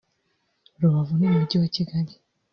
Rubavu n’Umujyi wa Kigali